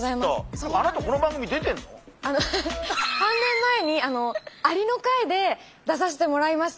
でもあなた３年前に「アリ」の回で出させてもらいました。